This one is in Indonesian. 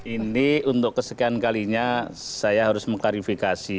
ini untuk kesekian kalinya saya harus mengklarifikasi